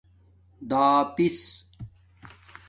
داپِس